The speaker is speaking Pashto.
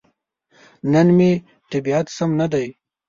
نن مې طبيعت سم ندی.